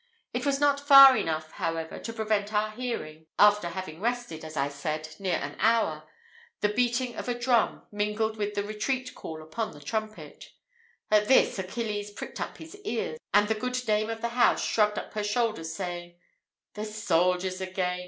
It was not far enough, however, to prevent our hearing, after having rested, as I said, near an hour, the beating of a drum, mingled with the retreat call upon the trumpet. At this Achilles pricked up his ears, and the good dame of the house shrugged up her shoulders, saying, "The soldiers again!